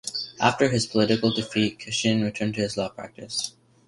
After his political defeat, Cashin returned to his law practice.